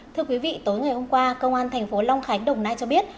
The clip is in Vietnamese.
thưa quý vị tối ngày hôm qua công an tp long khánh đồng nai cho biết